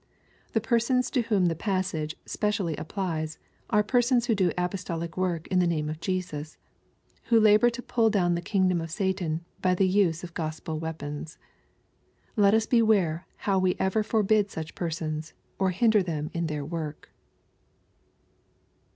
The persons to whom the passage specially applies, are persons who do apostolic work in the name of Jesus, — who labor to pull down the kingdom of Satan by the use of Gospel weapons. Let us beware how we ever forbid such persons, or hinder them in their work.